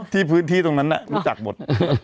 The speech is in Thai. ที่พื้นที่ตรงนั้นรู้จักหมด